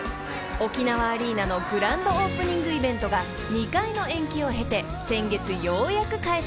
［沖縄アリーナのグランドオープニングイベントが２回の延期を経て先月ようやく開催されました］